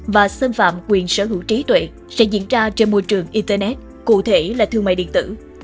và xâm phạm quyền sở hữu trí tuệ sẽ diễn ra trên môi trường internet cụ thể là thương mại điện tử